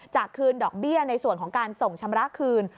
จะคืนดอกเบี้ยในส่วนของการส่งชำระคืน